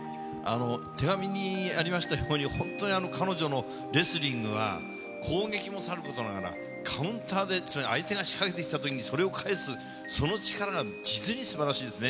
手紙にありましたように、本当に彼女のレスリングが、攻撃もさることながら、カウンターで、つまり相手が仕掛けてきたときにそれを返す、その力が実にすばらしいですね。